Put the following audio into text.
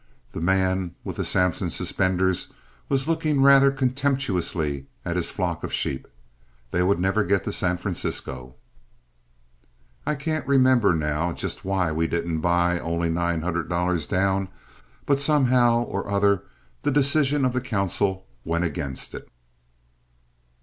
The man with the Sampson suspenders was looking rather contemptuously at his flock of sheep. They would never get to San Francisco. I can't remember now just why we didn't buy Only Nine Hundred Dollars Down but somehow or other the decision of the council went against it.